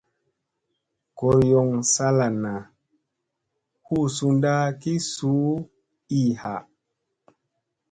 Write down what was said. Goriyoŋ salana hu sunda ki su ii ha.